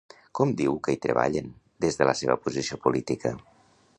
Com diu que hi treballen, des de la seva posició política?